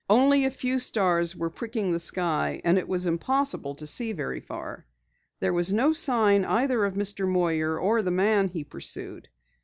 Only a few stars were pricking the sky, and it was impossible to see very far. There was no sign either of Mr. Moyer or the man he pursued.